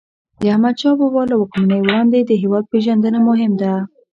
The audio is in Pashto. د احمدشاه بابا له واکمنۍ وړاندې د هیواد پېژندنه مهم ده.